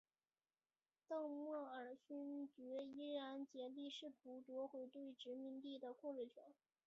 邓莫尔勋爵依旧竭力试图夺回对殖民地的控制权。